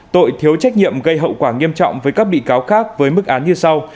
tội thiếu trách nhiệm gây hậu quả nghiêm trọng với các bị cáo khác với mức án như sau